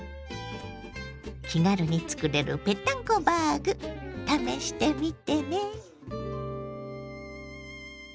気軽につくれるぺったんこバーグ試してみてね。